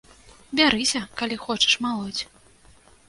Бярыся, калі хочаш, малоць.